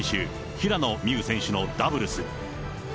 ・平野美宇選手のダブルス。